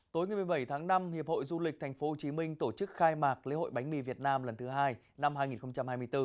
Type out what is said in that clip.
tối một mươi bảy tháng năm hiệp hội du lịch tp hcm tổ chức khai mạc lễ hội bánh mì việt nam lần thứ hai năm hai nghìn hai mươi bốn